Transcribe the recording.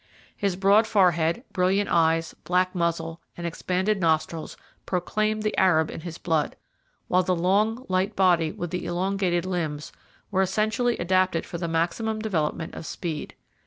His broad forehead, brilliant eyes, black muzzle, and expanded nostrils proclaimed the Arab in his blood, while the long, light body, with the elongated limbs, were essentially adapted for the maximum development of speed.